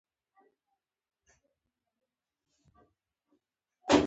د اتم لي لور الیزابت واک ته ورسېده.